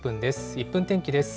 １分天気です。